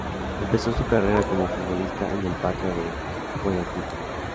Empezó su carrera como futbolista en el Patria de Guayaquil.